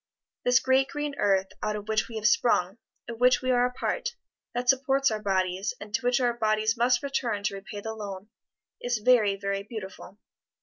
This great green earth out of which we have sprung, of which we are a part, that supports our bodies, and to which our bodies must return to repay the loan, is very, very beautiful.